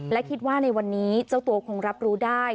และคิดว่าในวันนี้เจ้าตัวคงรับรู้ได้